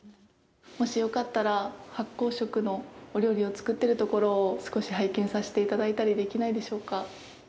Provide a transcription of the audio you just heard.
もしよかったら、発酵食のお料理を作ってるところを少し拝見させていただいたりできないでしょうか？